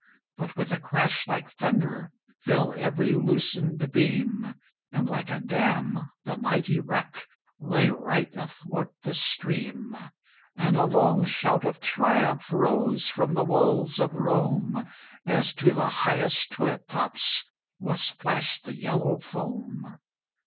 But with a crash like thunder Fell every loosened beam, And, like a dam the mighty wreck Lay right athwart the stream: And a long shout of triumph Rose from the walls of Rome, As to the highest turret tops Was splashed the yellow foam.